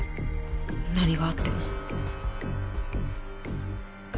何があっても。